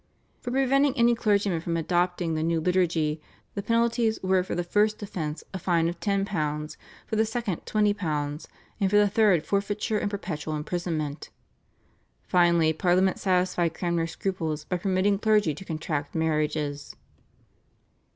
For preventing any clergyman from adopting the new liturgy the penalties were for the first offence a fine of £10, for the second £20, and for the third forfeiture and perpetual imprisonment. Finally Parliament satisfied Cranmer's scruples by permitting clergy to contract marriages.